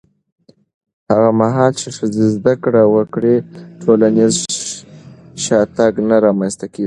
هغه مهال چې ښځې زده کړه وکړي، ټولنیز شاتګ نه رامنځته کېږي.